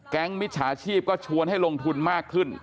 มิจฉาชีพก็ชวนให้ลงทุนมากขึ้น